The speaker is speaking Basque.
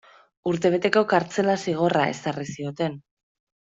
Urtebeteko kartzela zigorra ezarri zioten.